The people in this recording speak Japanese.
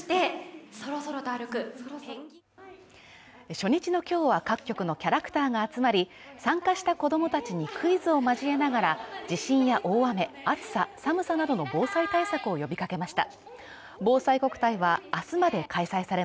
初日の今日は、各局のキャラクターが集まり参加した子供たちにクイズを交えながら地震や大雨、暑さ・寒さなどの防災対策を呼びかけました。